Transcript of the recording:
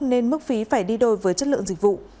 nên mức phí phải đi đôi với chất lượng dịch vụ